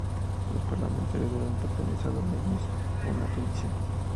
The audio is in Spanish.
Los parlamentarios deben pertenecer al menos a una comisión.